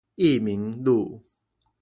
益民路